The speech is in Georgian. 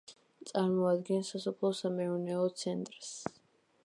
წარმოადგენს სასოფლო-სამეურნეო ცენტრს.